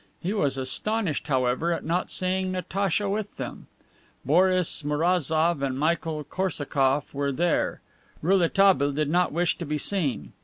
He was astonished, however, at not seeing Natacha with them. Boris Mourazoff and Michael Korsakoff were there. Rouletabille did not wish to be seen.